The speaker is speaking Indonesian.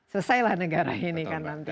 selesailah negara ini kan nanti